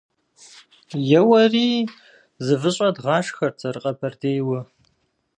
- Еуэри, зы выщӀэ дгъашхэрт зэрыкъэбэрдейуэ.